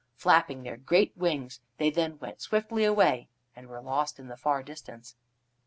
Flapping their great wings, they then went swiftly away and were lost in the far distance.